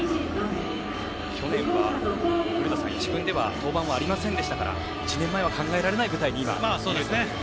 去年は、古田さん１軍で登板がありませんでしたから１年前は考えられない舞台に今、いるという。